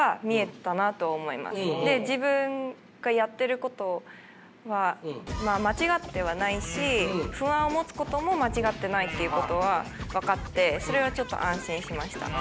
自分がやってることは間違ってはないし不安を持つことも間違ってないということは分かってそれはちょっと安心しました。